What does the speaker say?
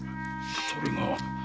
それが。